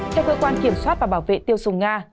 các cơ quan kiểm soát và bảo vệ tiêu sùng nga